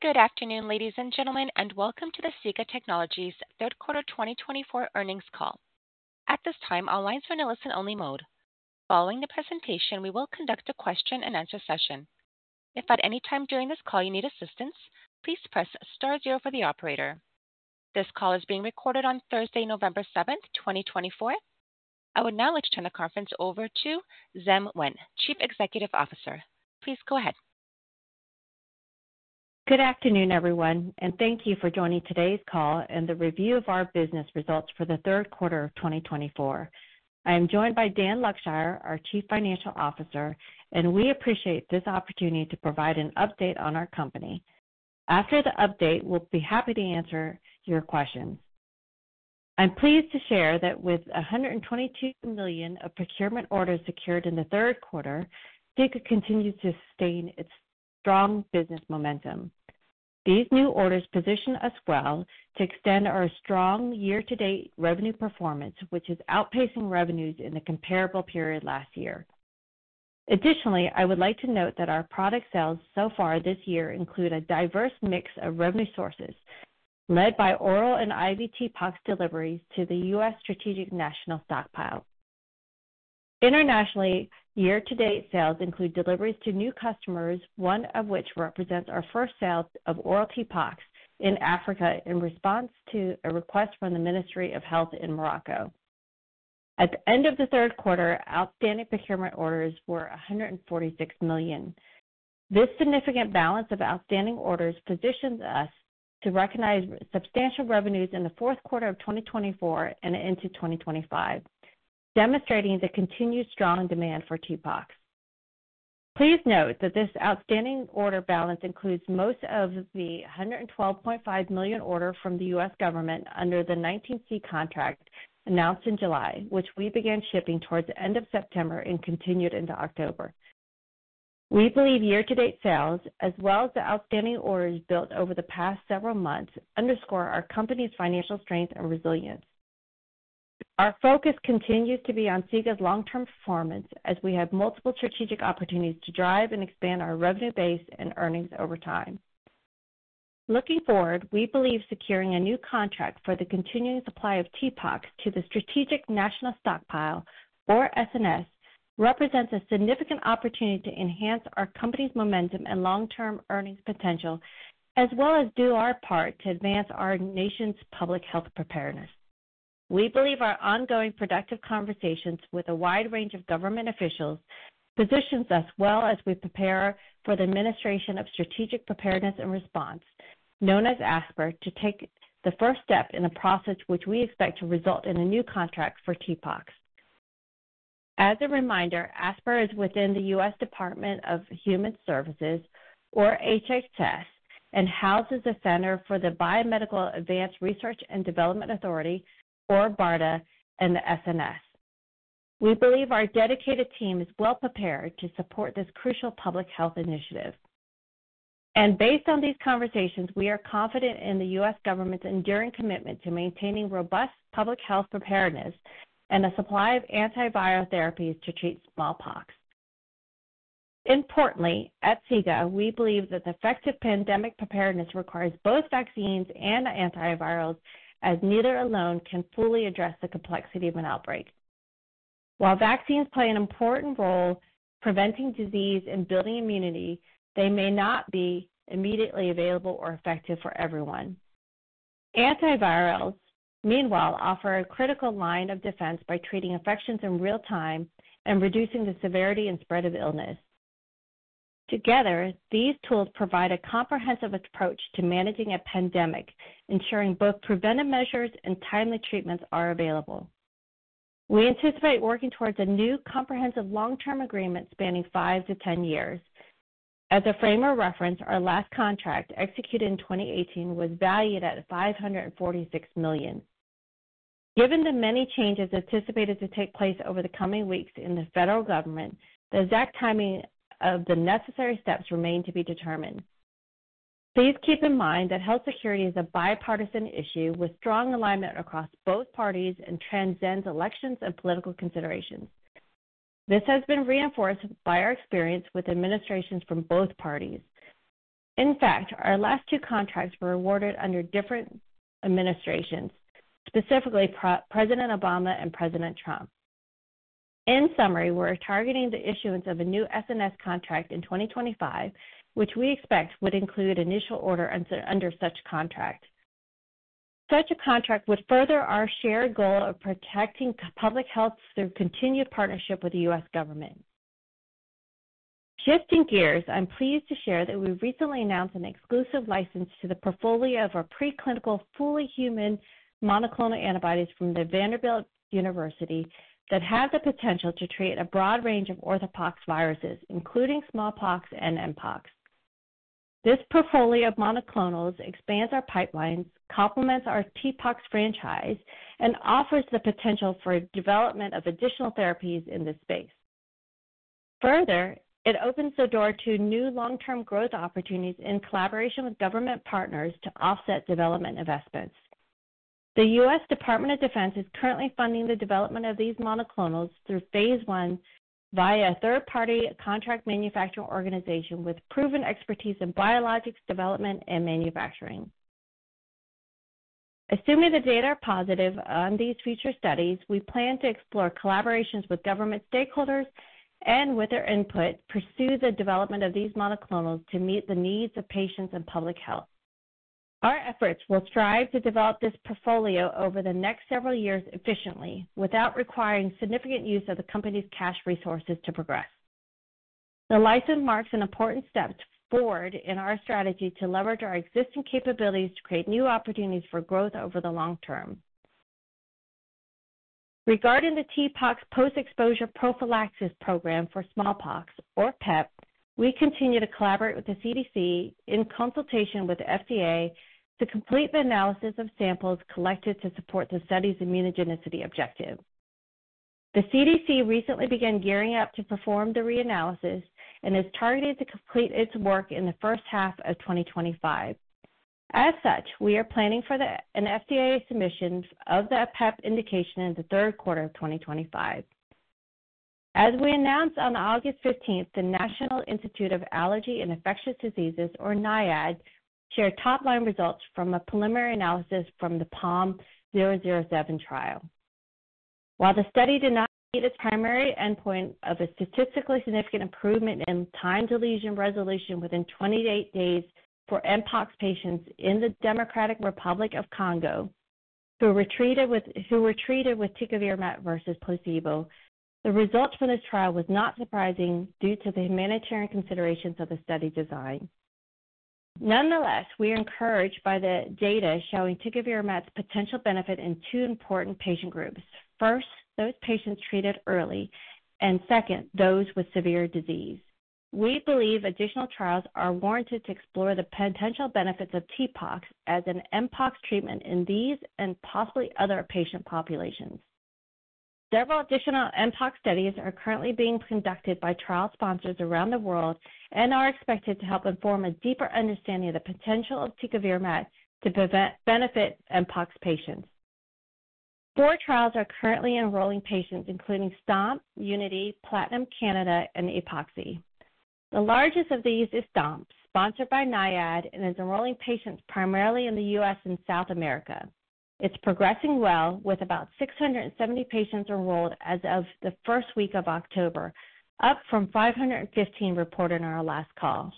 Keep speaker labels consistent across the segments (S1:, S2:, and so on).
S1: Good afternoon, ladies and gentlemen, and welcome to the SIGA Technologies Q3 2024 earnings call. At this time, all lines are in a listen-only mode. Following the presentation, we will conduct a question-and-answer session. If at any time during this call you need assistance, please press star zero for the operator. This call is being recorded on Thursday, November 7, 2024. I would now like to turn the conference over to Diem Nguyen, Chief Executive Officer. Please go ahead.
S2: Good afternoon, everyone, and thank you for joining today's call and the review of our business results for Q3 2024. I am joined by Dan Luckshire, our Chief Financial Officer, and we appreciate this opportunity to provide an update on our company. After the update, we'll be happy to answer your questions. I'm pleased to share that with $122 million of procurement orders secured in Q3, SIGA continues to sustain its strong business momentum. These new orders position us well to extend our strong year-to-date revenue performance, which is outpacing revenues in the comparable period last year. Additionally, I would like to note that our product sales so far this year include a diverse mix of revenue sources, led by oral and IV TPOXX deliveries to the U.S. Strategic National Stockpile. Internationally, year-to-date sales include deliveries to new customers, one of which represents our first sales of oral TPOXX in Africa in response to a request from the Ministry of Health in Morocco. At the end of Q3, outstanding procurement orders were $146 million. This significant balance of outstanding orders positions us to recognize substantial revenues in Q4 2024 and into 2025, demonstrating the continued strong demand for TPOXX. Please note that this outstanding order balance includes most of the $112.5 million order from the U.S. government under the 19C contract announced in July, which we began shipping towards the end of September and continued into October. We believe year-to-date sales, as well as the outstanding orders built over the past several months, underscore our company's financial strength and resilience. Our focus continues to be on SIGA's long-term performance, as we have multiple strategic opportunities to drive and expand our revenue base and earnings over time. Looking forward, we believe securing a new contract for the continuing supply of TPOXX to the Strategic National Stockpile, or SNS, represents a significant opportunity to enhance our company's momentum and long-term earnings potential, as well as do our part to advance our nation's public health preparedness. We believe our ongoing productive conversations with a wide range of government officials positions us well as we prepare for the Administration for Strategic Preparedness and Response, known as ASPR, to take the first step in the process which we expect to result in a new contract for TPOXX. As a reminder, ASPR is within the U.S. U.S. Department of Health and Human Services, or HHS, and houses the Biomedical Advanced Research and Development Authority, or BARDA, and the SNS. We believe our dedicated team is well prepared to support this crucial public health initiative. Based on these conversations, we are confident in the U.S. government's enduring commitment to maintaining robust public health preparedness and the supply of antiviral therapies to treat smallpox. Importantly, at SIGA, we believe that effective pandemic preparedness requires both vaccines and antivirals, as neither alone can fully address the complexity of an outbreak. While vaccines play an important role in preventing disease and building immunity, they may not be immediately available or effective for everyone. Antivirals, meanwhile, offer a critical line of defense by treating infections in real time and reducing the severity and spread of illness. Together, these tools provide a comprehensive approach to managing a pandemic, ensuring both preventive measures and timely treatments are available. We anticipate working towards a new comprehensive long-term agreement spanning five-10 years. As a frame of reference, our last contract, executed in 2018, was valued at $546 million. Given the many changes anticipated to take place over the coming weeks in the federal government, the exact timing of the necessary steps remains to be determined. Please keep in mind that health security is a bipartisan issue with strong alignment across both parties and transcends elections and political considerations. This has been reinforced by our experience with administrations from both parties. In fact, our last two contracts were awarded under different administrations, specifically President Obama and President Trump. In summary, we're targeting the issuance of a new SNS contract in 2025, which we expect would include an initial order under such a contract. Such a contract would further our shared goal of protecting public health through continued partnership with the U.S. government. Shifting gears, I'm pleased to share that we've recently announced an exclusive license to the portfolio of our preclinical fully human monoclonal antibodies from Vanderbilt University that has the potential to treat a broad range of orthopoxviruses, including smallpox and mpox. This portfolio of monoclonals expands our pipelines, complements our TPOXX franchise, and offers the potential for development of additional therapies in this space. Further, it opens the door to new long-term growth opportunities in collaboration with government partners to offset development investments. The U.S. Department of Defense is currently funding the development of these monoclonals through phase I via a third-party contract manufacturing organization with proven expertise in biologics development and manufacturing. Assuming the data are positive on these future studies, we plan to explore collaborations with government stakeholders and, with their input, pursue the development of these monoclonals to meet the needs of patients and public health. Our efforts will strive to develop this portfolio over the next several years efficiently, without requiring significant use of the company's cash resources to progress. The license marks an important step forward in our strategy to leverage our existing capabilities to create new opportunities for growth over the long term. Regarding the TPOXX post-exposure prophylaxis program for smallpox, or PEP, we continue to collaborate with the CDC in consultation with the FDA to complete the analysis of samples collected to support the study's immunogenicity objective. The CDC recently began gearing up to perform the reanalysis and is targeted to complete its work in the first half of 2025. As such, we are planning for an FDA submission of the PEP indication in Q3 2025. As we announced on August 15, the National Institute of Allergy and Infectious Diseases, or NIAID, shared top-line results from a preliminary analysis from the PALM 007 trial. While the study did not meet its primary endpoint of a statistically significant improvement in time-to-lesion resolution within 28 days for mpox patients in the Democratic Republic of the Congo, who were treated with tecovirimat versus placebo, the results from this trial were not surprising due to the humanitarian considerations of the study design. Nonetheless, we are encouraged by the data showing tecovirimat's potential benefit in two important patient groups: first, those patients treated early, and second, those with severe disease. We believe additional trials are warranted to explore the potential benefits of TPOXX as an mpox treatment in these and possibly other patient populations. Several additional mpox studies are currently being conducted by trial sponsors around the world and are expected to help inform a deeper understanding of the potential of tecovirimat to benefit mpox patients. Four trials are currently enrolling patients, including STOMP, UNITY, PLATINUM-CAN, and EPOHI. The largest of these is STOMP, sponsored by NIAID, and is enrolling patients primarily in the U.S. and South America. It's progressing well, with about 670 patients enrolled as of the first week of October, up from 515 reported on our last call.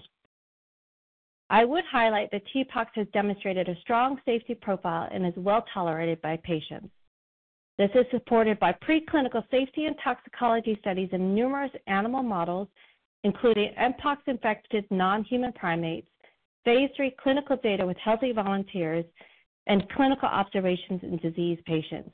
S2: I would highlight that TPOXX has demonstrated a strong safety profile and is well tolerated by patients. This is supported by preclinical safety and toxicology studies in numerous animal models, including mpox-infected non-human primates, phase III clinical data with healthy volunteers, and clinical observations in disease patients.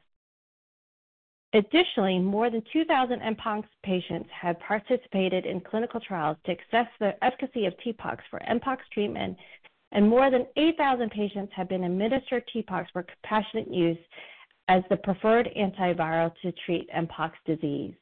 S2: Additionally, more than 2,000 mpox patients have participated in clinical trials to assess the efficacy of TPOXX for mpox treatment, and more than 8,000 patients have been administered TPOXX for compassionate use as the preferred antiviral to treat mpox disease.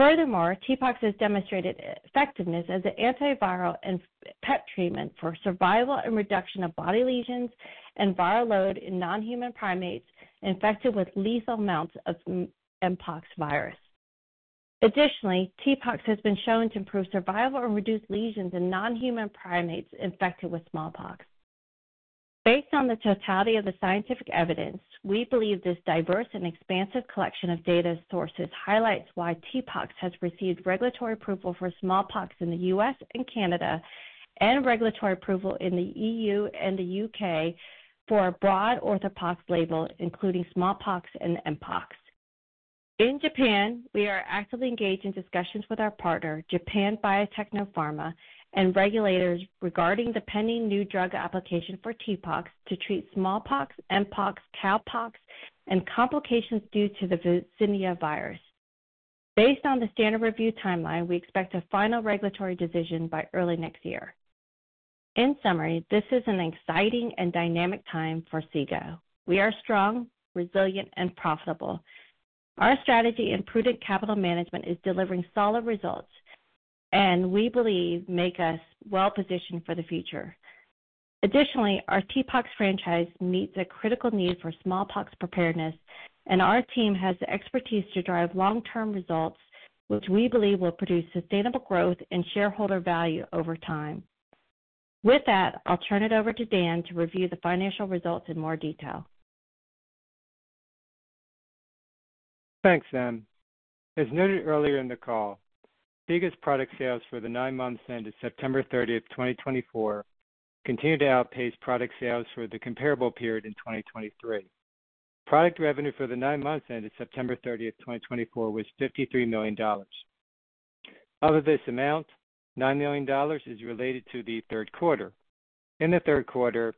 S2: Furthermore, TPOXX has demonstrated effectiveness as an antiviral and PEP treatment for survival and reduction of body lesions and viral load in non-human primates infected with lethal amounts of mpox virus. Additionally, TPOXX has been shown to improve survival and reduce lesions in non-human primates infected with smallpox. Based on the totality of the scientific evidence, we believe this diverse and expansive collection of data sources highlights why TPOXX has received regulatory approval for smallpox in the U.S. and Canada, and regulatory approval in the EU and the U.K. for a broad orthopox label, including smallpox and mpox. In Japan, we are actively engaged in discussions with our partner, Japan Biotechno Pharma, and regulators regarding the pending new drug application for TPOXX to treat smallpox, mpox, cowpox, and complications due to the vaccinia virus. Based on the standard review timeline, we expect a final regulatory decision by early next year. In summary, this is an exciting and dynamic time for SIGA. We are strong, resilient, and profitable. Our strategy and prudent capital management are delivering solid results, and we believe make us well positioned for the future. Additionally, our TPOXX franchise meets a critical need for smallpox preparedness, and our team has the expertise to drive long-term results, which we believe will produce sustainable growth and shareholder value over time. With that, I'll turn it over to Dan to review the financial results in more detail.
S3: Thanks, Diem. As noted earlier in the call, SIGA's product sales for the nine-month end of September 30, 2024, continue to outpace product sales for the comparable period in 2023. Product revenue for the nine-month end of September 30, 2024, was $53 million. Of this amount, $9 million is related to the Q3. In the Q3,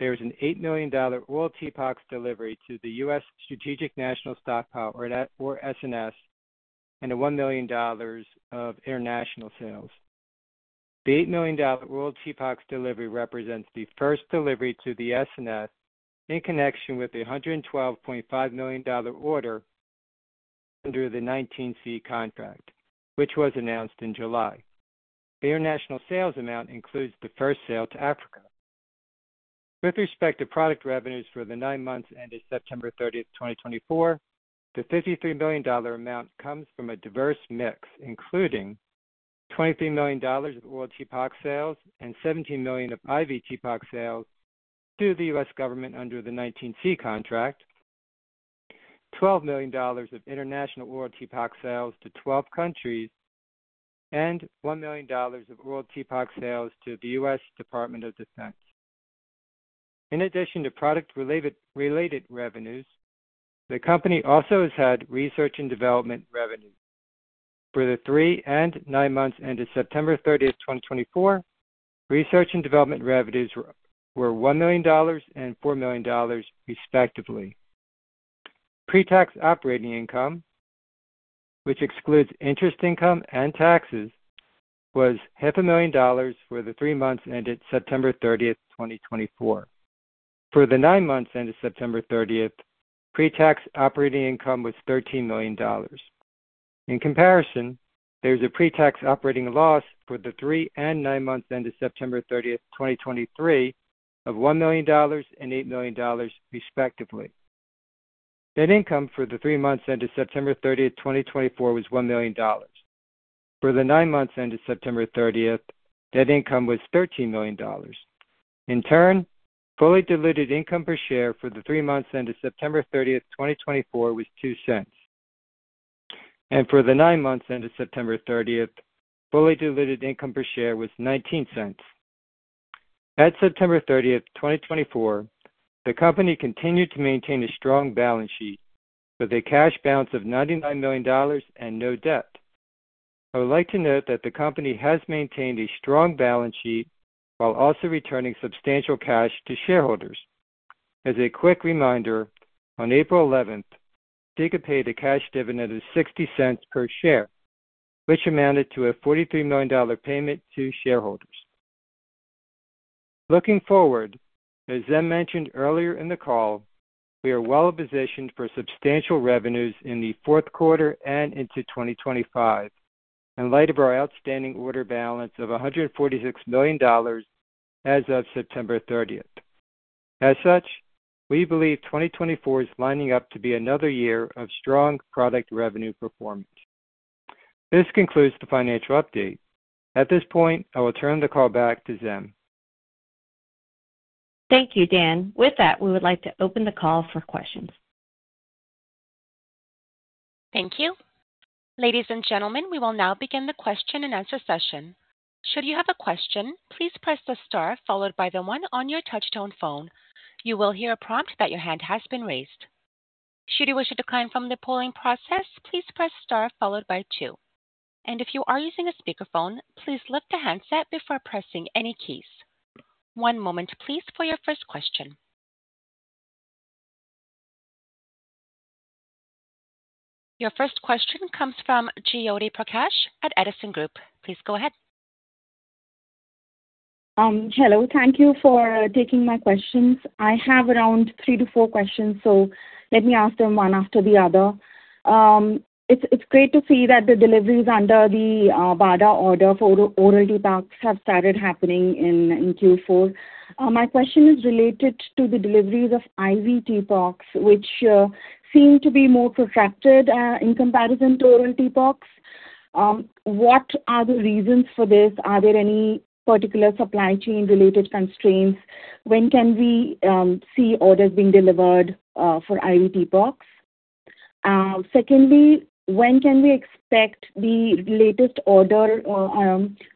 S3: there was an $8 million oral TPOXX delivery to the U.S. Strategic National Stockpile, or SNS, and $1 million of international sales. The $8 million oral TPOXX delivery represents the first delivery to the SNS in connection with the $112.5 million order under the 19C contract, which was announced in July. The international sales amount includes the first sale to Africa. With respect to product revenues for the nine-month end of September 30, 2024, the $53 million amount comes from a diverse mix, including $23 million of oral TPOXX sales and $17 million of IV TPOXX sales to the U.S. government under the 19C contract, $12 million of international oral TPOXX sales to 12 countries, and $1 million of oral TPOXX sales to the U.S. Department of Defense. In addition to product-related revenues, the company also has had research and development revenue. For the three and nine-month end of September 30, 2024, research and development revenues were $1 million and $4 million, respectively. Pre-tax operating income, which excludes interest income and taxes, was $500,000 for the three-month end of September 30, 2024. For the nine-month end of September 30, pre-tax operating income was $13 million. In comparison, there is a pre-tax operating loss for the three and nine-month end of September 30, 2023, of $1 million and $8 million, respectively. Net income for the three-month end of September 30, 2024, was $1 million. For the nine-month end of September 30, net income was $13 million. In turn, fully diluted income per share for the three-month end of September 30, 2024, was $0.02, and for the nine-month end of September 30, fully diluted income per share was $0.19. At September 30, 2024, the company continued to maintain a strong balance sheet with a cash balance of $99 million and no debt. I would like to note that the company has maintained a strong balance sheet while also returning substantial cash to shareholders. As a quick reminder, on April 11, SIGA paid a cash dividend of $0.60 per share, which amounted to a $43 million payment to shareholders. Looking forward, as Diem mentioned earlier in the call, we are well positioned for substantial revenues in the Q4 and into 2025, in light of our outstanding order balance of $146 million as of September 30. As such, we believe 2024 is lining up to be another year of strong product revenue performance. This concludes the financial update. At this point, I will turn the call back to Diem.
S2: Thank you, Dan. With that, we would like to open the call for questions.
S1: Thank you. Ladies and gentlemen, we will now begin the question-and-answer session. Should you have a question, please press the star followed by the one on your touch-tone phone. You will hear a prompt that your hand has been raised. Should you wish to decline from the polling process, please press star followed by two. And if you are using a speakerphone, please lift the handset before pressing any keys. One moment, please, for your first question. Your first question comes from Jyoti Prakash at Edison Group. Please go ahead.
S4: Hello. Thank you for taking my questions. I have around three to four questions, so let me ask them one after the other. It's great to see that the deliveries under the BARDA order for oral TPOXX have started happening in Q4. My question is related to the deliveries of IV TPOX, which seem to be more protracted in comparison to oral TPOX. What are the reasons for this? Are there any particular supply chain-related constraints? When can we see orders being delivered for IV TPOX? Secondly, when can we expect the latest order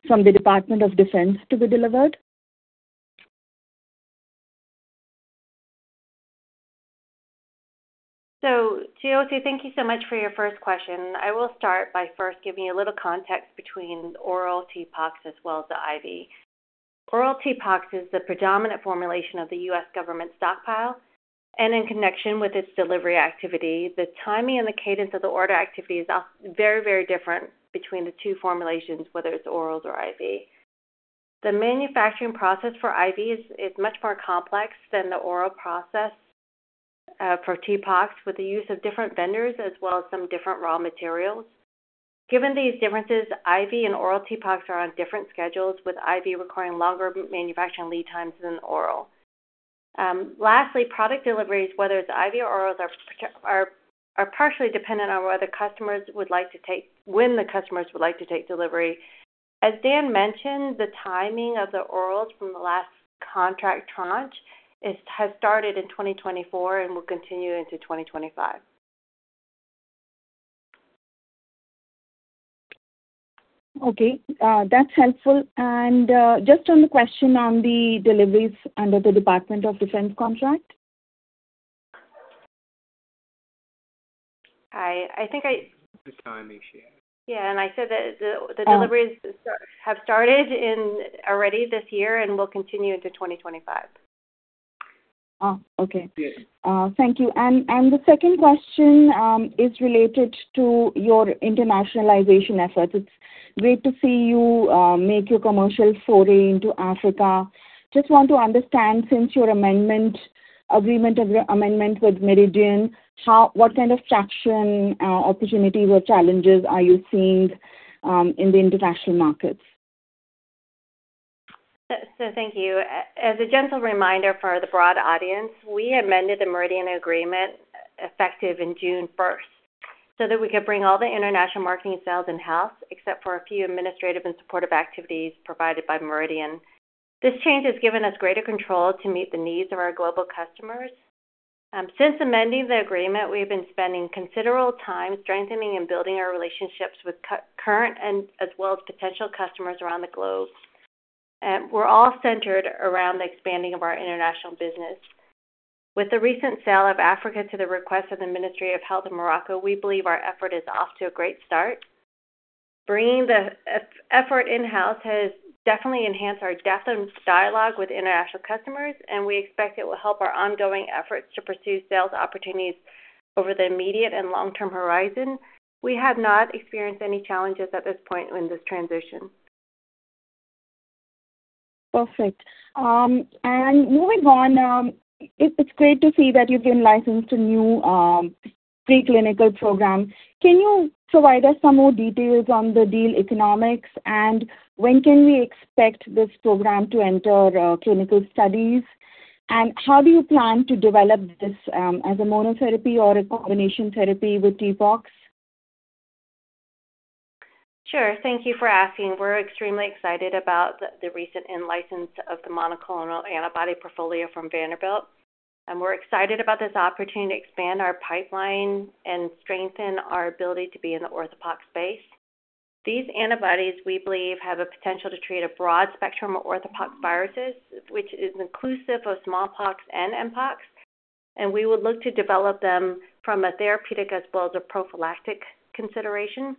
S4: from the Department of Defense to be delivered?
S2: So, Jyoti, thank you so much for your first question. I will start by first giving you a little context between oral TPOXX as well as the IV. Oral TPOXX is the predominant formulation of the U.S. government stockpile, and in connection with its delivery activity, the timing and the cadence of the order activity is very, very different between the two formulations, whether it's orals or IV. The manufacturing process for IV is much more complex than the oral process for TPOXX, with the use of different vendors as well as some different raw materials. Given these differences, IV and oral TPOXX are on different schedules, with IV requiring longer manufacturing lead times than oral. Lastly, product deliveries, whether it's IV or orals, are partially dependent on whether customers would like to take when the customers would like to take delivery. As Dan mentioned, the timing of the orals from the last contract tranche has started in 2024 and will continue into 2025.
S4: Okay. That's helpful. And just on the question on the deliveries under the Department of Defense contract?
S2: Hi. I think I... The timing she had. Yeah. And I said that the deliveries have started already this year and will continue into 2025.
S4: Oh, okay. Thank you. And the second question is related to your internationalization efforts. It's great to see you make your commercial foray into Africa. Just want to understand, since your agreement with Meridian, what kind of traction, opportunities, or challenges are you seeing in the international markets?
S2: So thank you. As a gentle reminder for the broad audience, we amended the Meridian agreement effective on June 1 so that we could bring all the international marketing sales in-house except for a few administrative and supportive activities provided by Meridian. This change has given us greater control to meet the needs of our global customers. Since amending the agreement, we have been spending considerable time strengthening and building our relationships with current as well as potential customers around the globe. We're all centered around the expanding of our international business. With the recent sale in Africa at the request of the Ministry of Health in Morocco, we believe our effort is off to a great start. Bringing the effort in-house has definitely enhanced our depth of dialogue with international customers, and we expect it will help our ongoing efforts to pursue sales opportunities over the immediate and long-term horizon. We have not experienced any challenges at this point in this transition.
S4: Perfect, and moving on, it's great to see that you've been licensed to a new preclinical program. Can you provide us some more details on the deal economics, and when can we expect this program to enter clinical studies, and how do you plan to develop this as a monotherapy or a combination therapy with TPOXX?
S2: Sure. Thank you for asking. We're extremely excited about the recent license of the monoclonal antibody portfolio from Vanderbilt, and we're excited about this opportunity to expand our pipeline and strengthen our ability to be in the orthopox space. These antibodies, we believe, have a potential to treat a broad spectrum of orthopox viruses, which is inclusive of smallpox and mpox, and we would look to develop them from a therapeutic as well as a prophylactic consideration.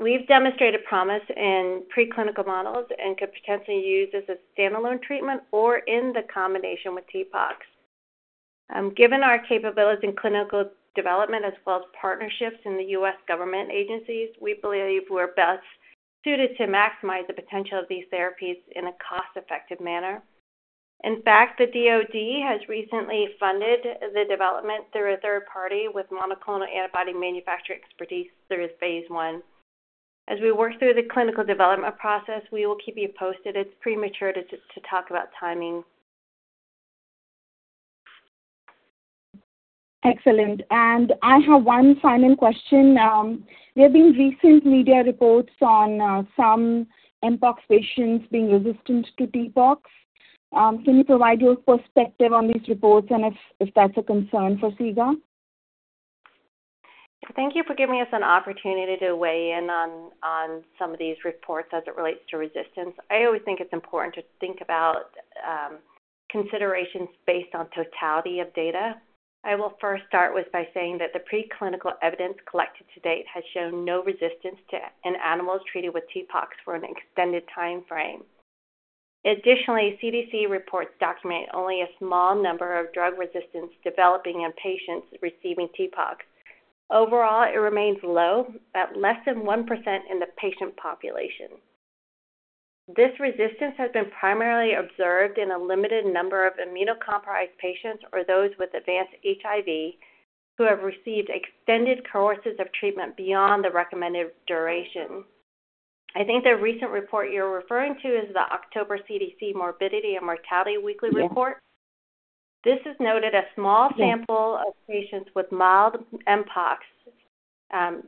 S2: We've demonstrated promise in preclinical models and could potentially use this as a standalone treatment or in combination with TPOXX. Given our capabilities in clinical development as well as partnerships in the U.S. government agencies, we believe we're best suited to maximize the potential of these therapies in a cost-effective manner. In fact, the DOD has recently funded the development through a third party with monoclonal antibody manufacturing expertise through phase I. As we work through the clinical development process, we will keep you posted. It's premature to talk about timing.
S4: Excellent. And I have one final question. There have been recent media reports on some mpox patients being resistant to TPOXX. Can you provide your perspective on these reports and if that's a concern for SIGA?
S2: Thank you for giving us an opportunity to weigh in on some of these reports as it relates to resistance. I always think it's important to think about considerations based on totality of data. I will first start by saying that the preclinical evidence collected to date has shown no resistance in animals treated with TPOXX for an extended time frame. Additionally, CDC reports document only a small number of drug resistance developing in patients receiving TPOXX. Overall, it remains low, at less than 1% in the patient population. This resistance has been primarily observed in a limited number of immunocompromised patients or those with advanced HIV who have received extended courses of treatment beyond the recommended duration. I think the recent report you're referring to is the October CDC Morbidity and Mortality Weekly Report. This has noted a small sample of patients with mild mpox.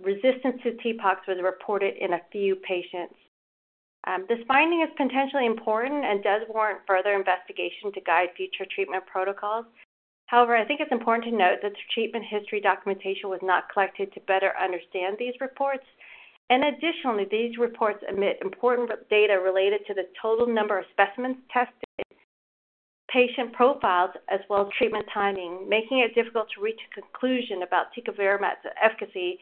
S2: Resistance to TPOXX was reported in a few patients. This finding is potentially important and does warrant further investigation to guide future treatment protocols. However, I think it's important to note that the treatment history documentation was not collected to better understand these reports, and additionally, these reports omit important data related to the total number of specimens tested, patient profiles, as well as treatment timing, making it difficult to reach a conclusion about tecovirimat's efficacy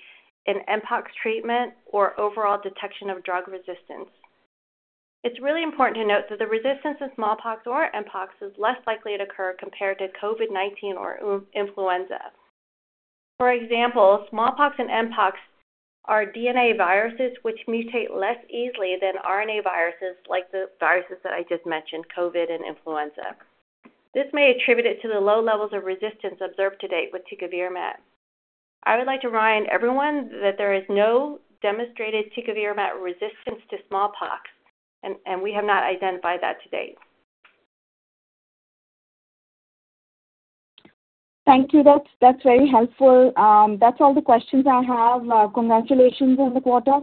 S2: in mpox treatment or overall detection of drug resistance. It's really important to note that the resistance in smallpox or mpox is less likely to occur compared to COVID-19 or influenza. For example, smallpox and mpox are DNA viruses which mutate less easily than RNA viruses like the viruses that I just mentioned, COVID and influenza. This may attribute it to the low levels of resistance observed to date with tecovirimat. I would like to remind everyone that there is no demonstrated tecovirimat resistance to smallpox, and we have not identified that to date. Thank you.
S4: That's very helpful. That's all the questions I have. Congratulations on the quarter.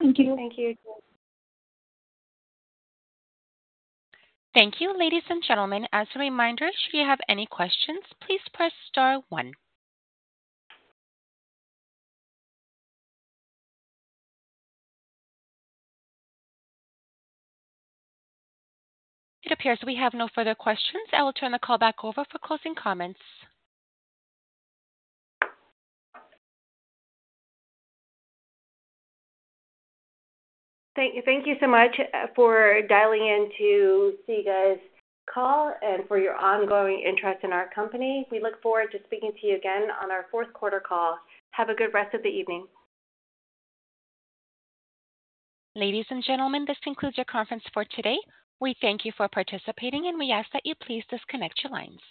S4: Thank you.
S2: Thank you.
S1: Thank you. Ladies and gentlemen, as a reminder, should you have any questions, please press star one. It appears we have no further questions. I will turn the call back over for closing comments.
S2: Thank you so much for dialing in to SIGA's call and for your ongoing interest in our company. We look forward to speaking to you again on our Q4 call. Have a good rest of the evening.
S1: Ladies and gentlemen, this concludes your conference for today. We thank you for participating, and we ask that you please disconnect your lines.